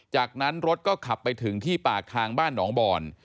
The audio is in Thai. จากนั้นรถก็ขับไปถึงที่ปากทางบ้านหนองบอน